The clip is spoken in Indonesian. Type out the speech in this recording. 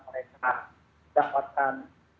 juga terkendala oleh penerangan lampu